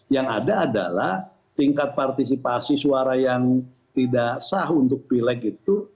yang ada adalah tingkat partisipasi suara yang tidak sah untuk pileg itu